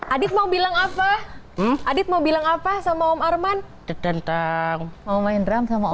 adit mau bilang apa adit mau bilang apa sama om arman tentang mau main drum sama om